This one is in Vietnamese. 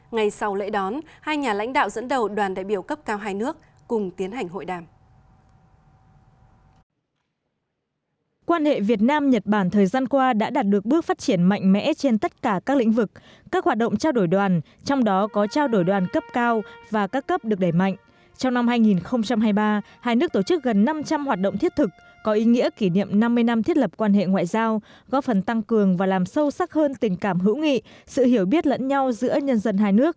ngày sau lễ đón hai nhà lãnh đạo dẫn đầu đoàn đại biểu cấp cao hai nước cùng tiến hành hội đàm